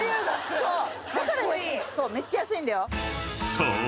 ［そう。